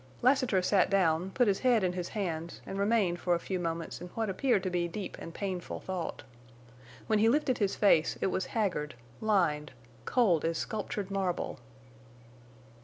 Lassiter sat down, put his head in his hands, and remained for a few moments in what appeared to be deep and painful thought. When he lifted his face it was haggard, lined, cold as sculptured marble.